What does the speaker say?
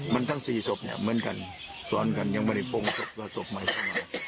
มันทั้งสี่ศพเนี่ยเหมือนกันซ้อนกันยังไม่ได้ปรงศพกว่าศพใหม่ขึ้นมา